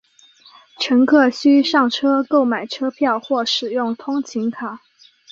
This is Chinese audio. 乘客需上车购买车票或使用通勤卡。